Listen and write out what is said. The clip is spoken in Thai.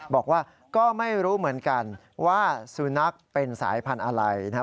บอกว่าก็ไม่รู้เหมือนกันว่าสุนัขเป็นสายพันธุ์อะไรนะครับ